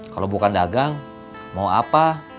kalau bukan dagang mau apa